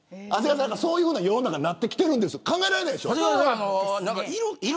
そういう世の中になってるの考えられないでしょ。